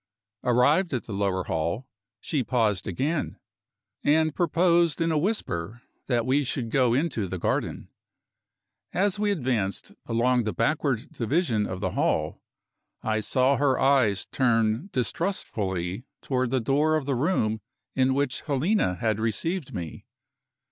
Arrived at the lower hall, she paused again, and proposed in a whisper that we should go into the garden. As we advanced along the backward division of the hall, I saw her eyes turn distrustfully toward the door of the room in which Helena had received me.